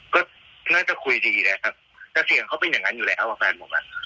ก็น่าจะคุยดีนะครับแต่เสียงเขาเป็นอย่างนั้นอยู่แล้วกับแฟนผมอ่ะ